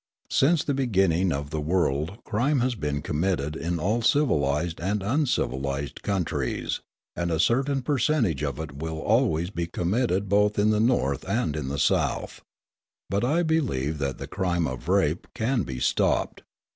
Since the beginning of the world crime has been committed in all civilised and uncivilised countries, and a certain percentage of it will always be committed both in the North and in the South; but I believe that the crime of rape can be stopped.